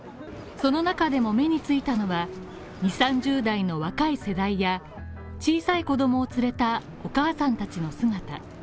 その中でも目についたのが、２０３０代の若い世代や小さい子供を連れたお母さんたちの姿。